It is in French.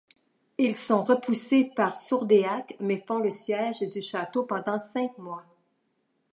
Ils sont repoussés par Sourdéac mais font le siège du château pendant cinq mois.